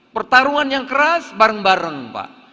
pertarungan yang keras bareng bareng pak